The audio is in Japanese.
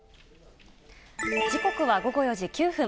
時刻は午後４時９分。